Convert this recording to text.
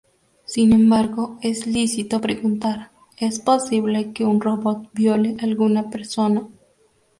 Sin embargo, es lícito preguntar: ¿Es posible que un robot viole alguna persona?